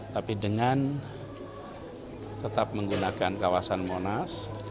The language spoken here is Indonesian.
tapi dengan tetap menggunakan kawasan monas